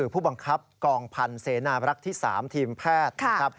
ผู้บังคับกองพันธุ์เซนาลักษณ์ที่๓ทีมแพทย์